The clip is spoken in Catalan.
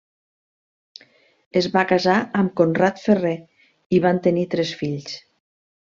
Es va casar amb Conrad Ferrer i van tenir tres fills: